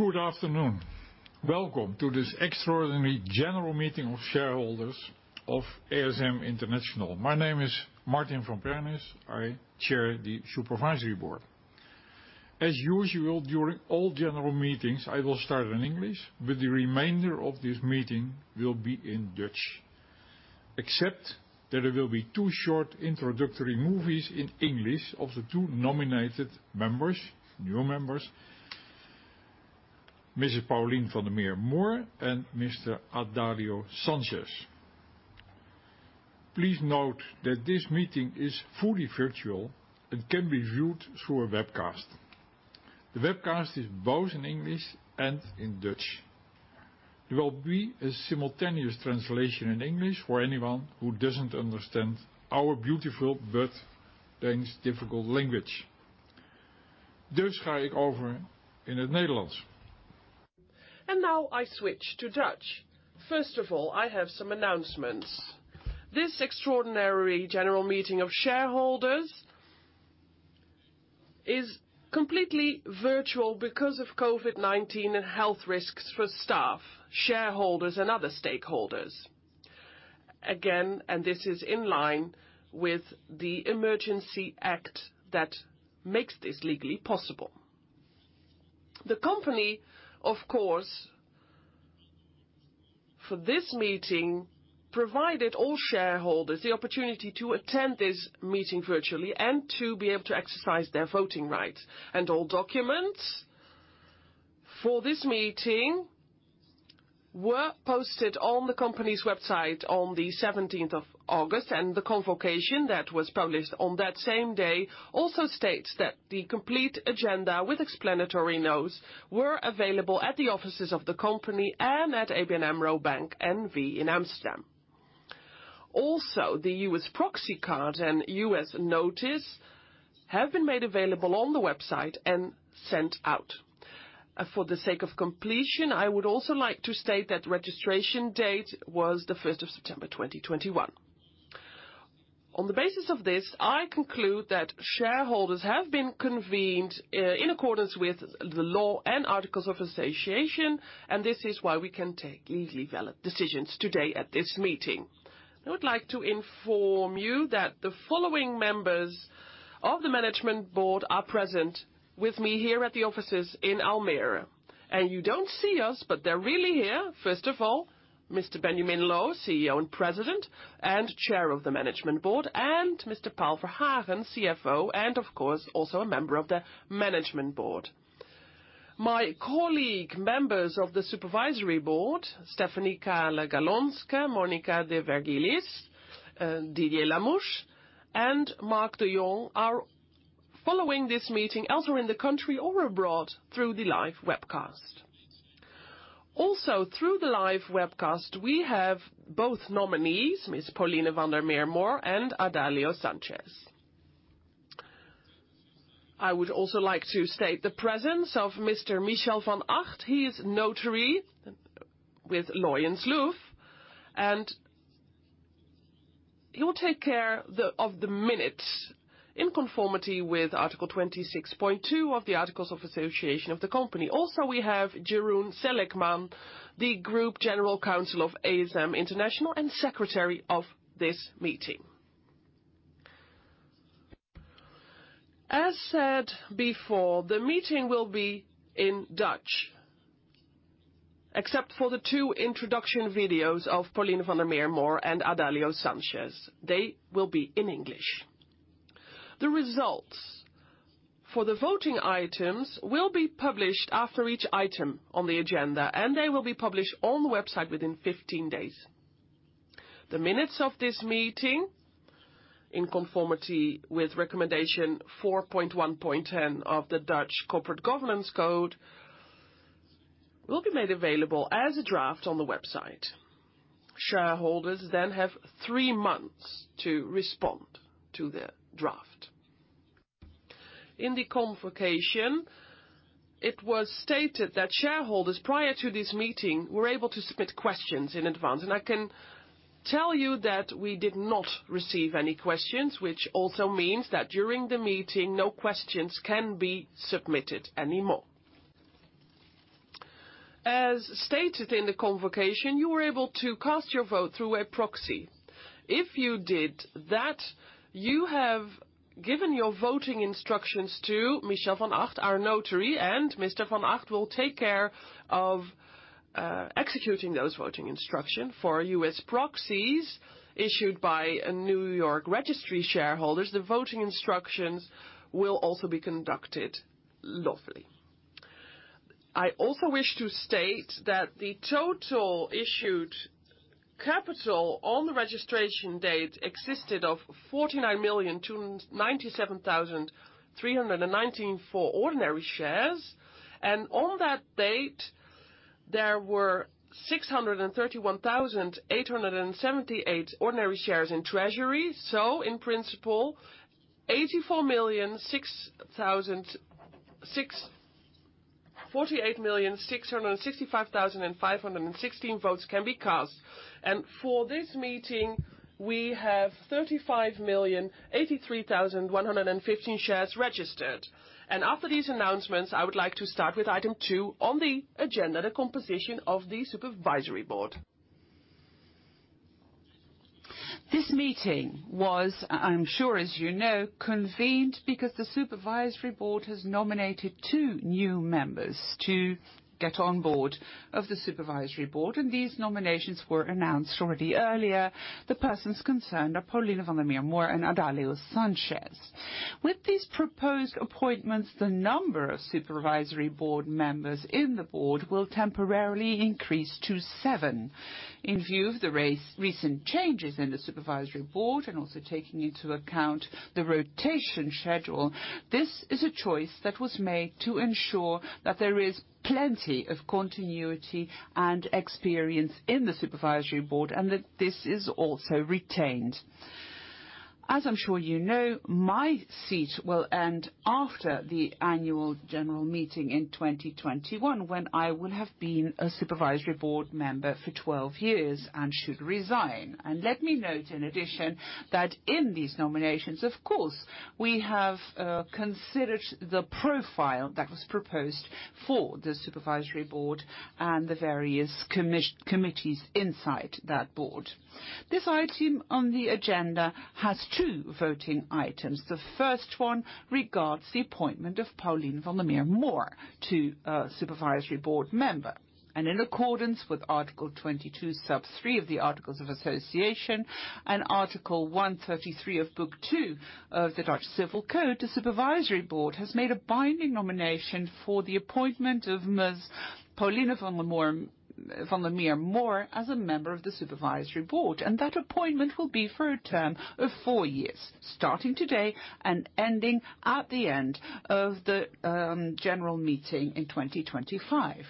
Good afternoon. Welcome to this extraordinary general meeting of shareholders of ASM International. My name is Martin van Pernis. I chair the supervisory board. As usual, during all general meetings, I will start in English, but the remainder of this meeting will be in Dutch, except that there will be two short introductory movies in English of the two nominated new members, Mrs. Pauline van der Meer Mohr and Mr. Adalio Sanchez. Please note that this meeting is fully virtual and can be viewed through a webcast. The webcast is both in English and in Dutch. There will be a simultaneous translation in English for anyone who doesn't understand our beautiful but Dutch difficult language. Now I switch to Dutch. First of all, I have some announcements. This extraordinary general meeting of shareholders is completely virtual because of COVID-19 and health risks for staff, shareholders, and other stakeholders. Again, this is in line with the Emergency Act that makes this legally possible. The company, of course, for this meeting, provided all shareholders the opportunity to attend this meeting virtually and to be able to exercise their voting rights, and all documents for this meeting were posted on the company's website on the 17th of August, and the convocation that was published on that same day also states that the complete agenda with explanatory notes were available at the offices of the company and at ABN AMRO Bank N.V. in Amsterdam. The U.S. proxy card and U.S. notice have been made available on the website and sent out. For the sake of completion, I would also like to state that registration date was the 1st of September 2021. On the basis of this, I conclude that shareholders have been convened in accordance with the law and articles of association. This is why we can take legally valid decisions today at this meeting. I would like to inform you that the following Members of the Management Board are present with me here at the offices in Almere. You don't see us, but they're really here. First of all, Mr. Benjamin Loh, CEO and President, and Chair of the Management Board, Mr. Paul Verhagen, CFO and of course, also a Member of the Management Board. My colleague, Members of the Supervisory Board, Stefanie Kahle-Galonske, Monica de Virgiliis, Didier Lamouche, and Marc de Jong are following this meeting elsewhere in the country or abroad through the live webcast. Through the live webcast, we have both nominees, Ms. Pauline van der Meer Mohr and Adalio Sanchez. I would also like to state the presence of Mr. Michel van Agt. He is notary with Loyens & Loeff. He will take care of the minutes in conformity with Article 26.2 of the Articles of Association of the company. We have Jeroen Seligmann, the Group General Counsel of ASM International and Secretary of this meeting. Said before, the meeting will be in Dutch, except for the two introduction videos of Pauline van der Meer Mohr and Adalio Sanchez. They will be in English. The results for the voting items will be published after each item on the agenda. They will be published on the website within 15 days. The minutes of this meeting, in conformity with recommendation 4.1.10 of the Dutch Corporate Governance Code, will be made available as a draft on the website. Shareholders then have three months to respond to the draft. In the convocation, it was stated that shareholders, prior to this meeting, were able to submit questions in advance. I can tell you that we did not receive any questions, which also means that during the meeting, no questions can be submitted anymore. As stated in the convocation, you were able to cast your vote through a proxy. If you did that, you have given your voting instructions to Michel van Agt, our notary. Mr. Van Agt will take care of executing those voting instructions. For U.S. proxies issued by New York Registry shareholders, the voting instructions will also be conducted lawfully. I also wish to state that the total issued capital on the registration date consisted of 49,297,319 ordinary shares. On that date, there were 631,878 ordinary shares in treasury. In principle, 48,665,516 votes can be cast. For this meeting, we have 35,083,115 shares registered. After these announcements, I would like to start with item two on the agenda, the composition of the Supervisory Board. This meeting was, I'm sure as you know, convened because the Supervisory Board has nominated two new members to get on board of the Supervisory Board, and these nominations were announced already earlier. The persons concerned are Pauline van der Meer Mohr and Adalio Sanchez. With these proposed appointments, the number of Supervisory Board members in the board will temporarily increase to seven. In view of the recent changes in the Supervisory Board, and also taking into account the rotation schedule, this is a choice that was made to ensure that there is plenty of continuity and experience in the Supervisory Board, and that this is also retained. As I'm sure you know, my seat will end after the Annual General Meeting in 2021, when I will have been a Supervisory Board member for 12 years and should resign. Let me note in addition, that in these nominations, of course, we have considered the profile that was proposed for the Supervisory Board and the various committees inside that board. This item on the agenda has two voting items. The first one regards the appointment of Pauline van der Meer Mohr to Supervisory Board Member. In accordance with Article 22 sub three of the Articles of Association and Article 133 of Book two of the Dutch Civil Code, the Supervisory Board has made a binding nomination for the appointment of Ms. Pauline van der Meer Mohr as a member of the Supervisory Board, and that appointment will be for a term of four years, starting today and ending at the end of the general meeting in 2025.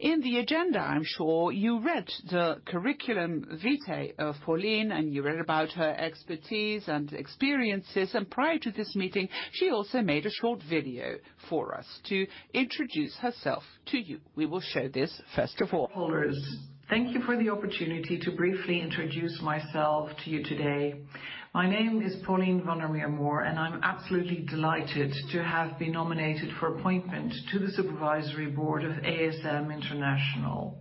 In the agenda, I'm sure you read the curriculum vitae of Pauline, and you read about her expertise and experiences, and prior to this meeting, she also made a short video for us to introduce herself to you. We will show this first of all. Thank you for the opportunity to briefly introduce myself to you today. My name is Pauline van der Meer Mohr, and I'm absolutely delighted to have been nominated for appointment to the Supervisory Board of ASM International.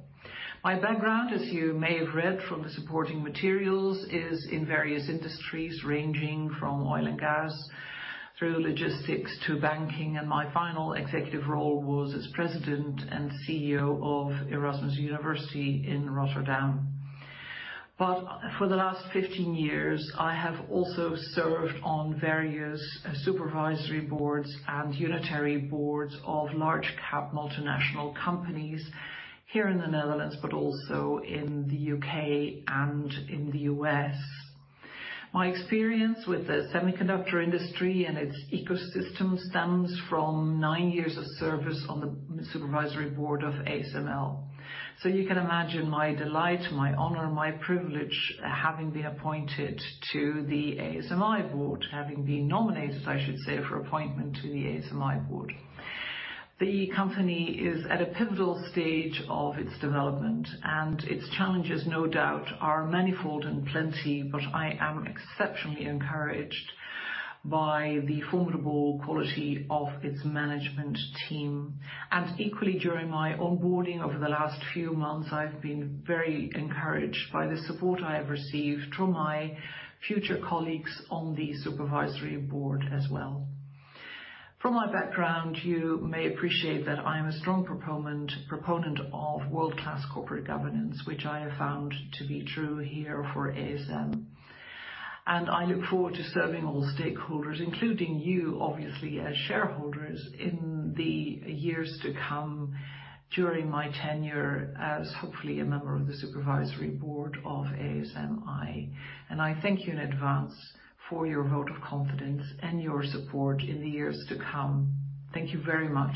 My background, as you may have read from the supporting materials, is in various industries, ranging from oil and gas, through logistics to banking, and my final executive role was as President and CEO of Erasmus University Rotterdam. For the last 15 years, I have also served on various supervisory boards and unitary boards of large cap multinational companies here in the Netherlands, but also in the U.K. and in the U.S. My experience with the semiconductor industry and its ecosystem stems from nine years of service on the supervisory board of ASML. You can imagine my delight, my honor, my privilege, having been appointed to the ASMI board, having been nominated, I should say, for appointment to the ASMI board. The company is at a pivotal stage of its development, and its challenges, no doubt, are manifold and plenty, but I am exceptionally encouraged by the formidable quality of its management team. Equally, during my onboarding over the last few months, I've been very encouraged by the support I have received from my future colleagues on the supervisory board as well. From my background, you may appreciate that I am a strong proponent of world-class corporate governance, which I have found to be true here for ASM. I look forward to serving all stakeholders, including you, obviously, as shareholders in the years to come during my tenure as, hopefully, a member of the supervisory board of ASMI. I thank you in advance for your vote of confidence and your support in the years to come. Thank you very much.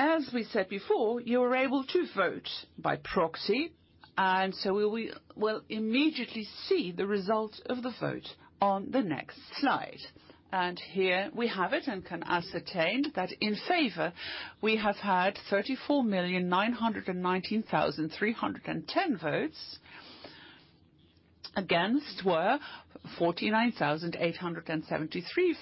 As we said before, you're able to vote by proxy, so we will immediately see the result of the vote on the next slide. Here we have it and can ascertain that in favor, we have had 34,919,310 votes. Against were 49,873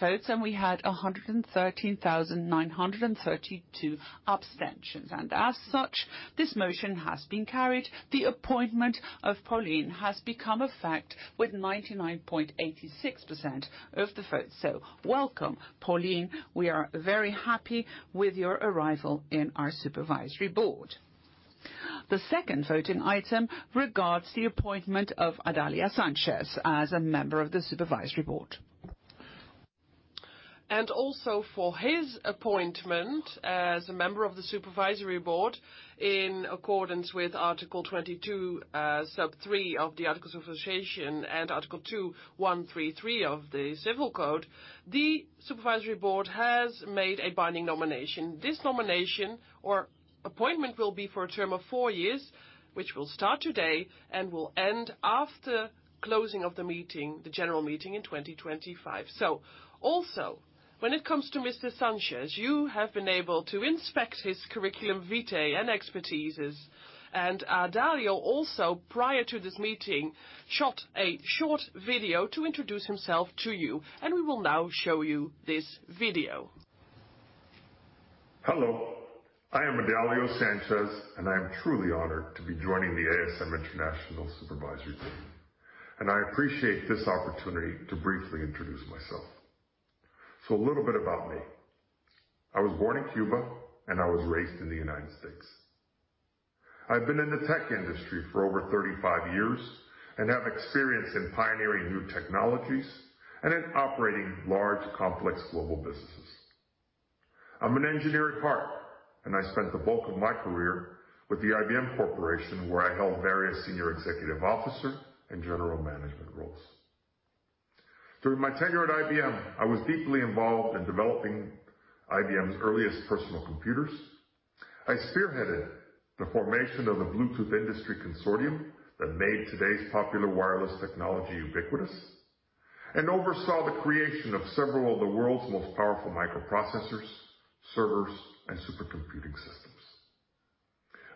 votes, and we had 113,932 abstentions. As such, this motion has been carried. The appointment of Pauline has become a fact with 99.86% of the votes. So welcome, Pauline. We are very happy with your arrival in our supervisory board. The second voting item regards the appointment of Adalio Sanchez as a member of the supervisory board. Also for his appointment as a member of the Supervisory Board in accordance with Article 22, sub three of the Articles of Association and Article 2:133 of the Civil Code, the supervisory board has made a binding nomination. This nomination or appointment will be for a term of four years, which will start today and will end after closing of the general meeting in 2025. Also when it comes to Mr. Sanchez, you have been able to inspect his curriculum vitae and expertises. Adalio also, prior to this meeting, shot a short video to introduce himself to you, and we will now show you this video. Hello, I am Adalio Sanchez, and I am truly honored to be joining the ASM International Supervisory team. I appreciate this opportunity to briefly introduce myself. A little bit about me. I was born in Cuba, and I was raised in the United States I've been in the tech industry for over 35 years and have experience in pioneering new technologies and in operating large, complex global businesses. I'm an engineer at heart, and I spent the bulk of my career with the IBM Corporation, where I held various senior executive officer and general management roles. Through my tenure at IBM, I was deeply involved in developing IBM's earliest personal computers. I spearheaded the formation of the Bluetooth industry consortium that made today's popular wireless technology ubiquitous, and oversaw the creation of several of the world's most powerful microprocessors, servers, and supercomputing systems.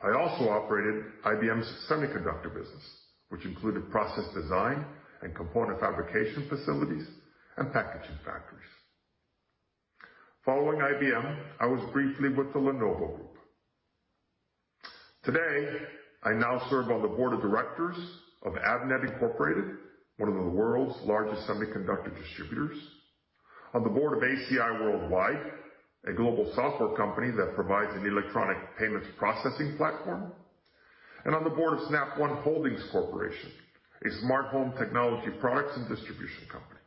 I also operated IBM's semiconductor business, which included process design and component fabrication facilities and packaging factories. Following IBM, I was briefly with the Lenovo Group. Today, I now serve on the board of directors of Avnet Incorporated, one of the world's largest semiconductor distributors, on the board of ACI Worldwide, a global software company that provides an electronic payments processing platform, and on the board of Snap One Holdings Corporation, a smart home technology products and distribution company.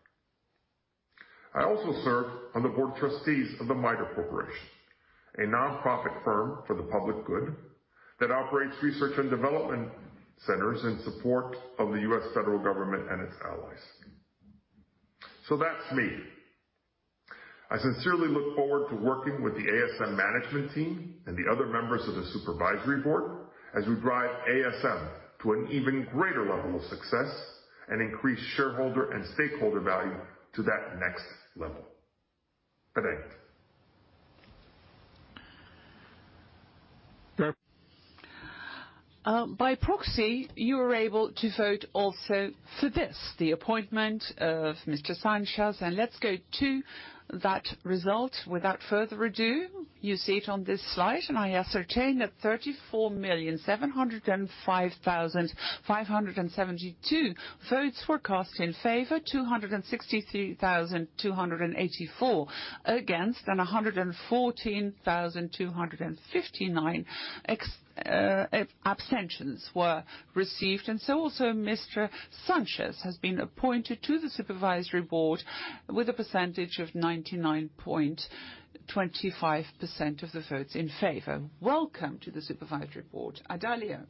I also serve on the board of trustees of The MITRE Corporation, a nonprofit firm for the public good that operates research and development centers in support of the U.S. federal government and its allies. That's me. I sincerely look forward to working with the ASM management team and the other members of the supervisory board as we drive ASM to an even greater level of success and increase shareholder and stakeholder value to that next level. Thanks. By proxy, you were able to vote also for this, the appointment of Mr. Sanchez. Let's go to that result without further ado. You see it on this slide, and I ascertain that 34,705,572 votes were cast in favor, 263,284 against, and 114,259 abstentions were received. Also, Mr. Sanchez has been appointed to the Supervisory Board with a percentage of 99.25% of the votes in favor. Welcome to the Supervisory Board, Adalio.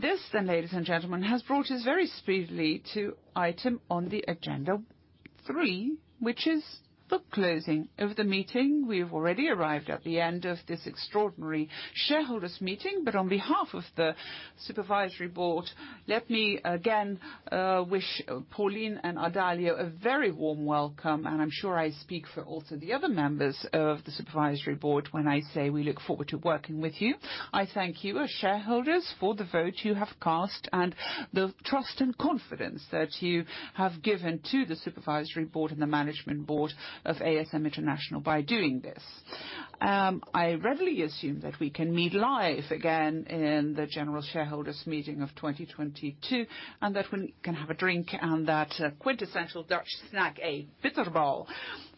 This then, ladies and gentlemen, has brought us very speedily to item on the agenda three, which is the closing of the meeting. We have already arrived at the end of this extraordinary shareholders meeting, but on behalf of the Supervisory Board, let me again wish Pauline and Adalio a very warm welcome. I'm sure I speak for also the other members of the Supervisory Board when I say we look forward to working with you. I thank you as shareholders for the vote you have cast and the trust and confidence that you have given to the Supervisory Board and the Management Board of ASM International by doing this. I readily assume that we can meet live again in the general shareholders meeting of 2022, and that we can have a drink and that quintessential Dutch snack, a bitterballen.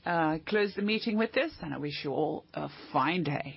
I close the meeting with this. I wish you all a fine day.